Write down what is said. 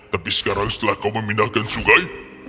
tapi sekarang setelah kau memindahkan sungai